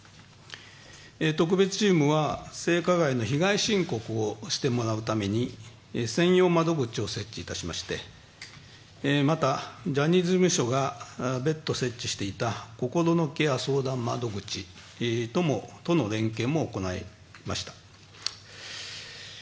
特別チームは性加害の被害申告をしてもらうために専用窓口を設置いたしましてまた、ジャニーズ事務所が別途設置していた心のケア相談窓口との連携も行いました。